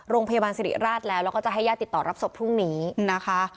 โรงพยาบาลสิริราชแล้วแล้วก็จะให้ญาติติดต่อรับศพพรุ่งนี้นะคะ